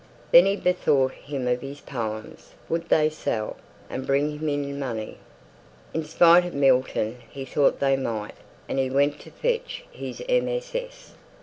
Then he bethought him of his poems would they sell, and bring him in money? In spite of Milton, he thought they might; and he went to fetch his MSS.